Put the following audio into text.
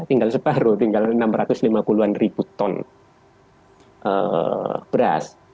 tinggal separuh tinggal enam ratus lima puluh an ribu ton beras